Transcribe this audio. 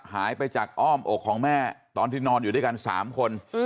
หายไปจากอ้อมอกของแม่ตอนที่นอนอยู่ด้วยกัน๓คน